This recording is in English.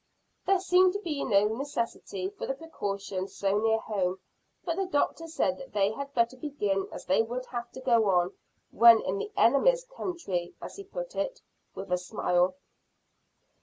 There seemed to be no necessity for the precaution so near home, but the doctor said that they had better begin as they would have to go on "when in the enemy's country," as he put it, with a smile.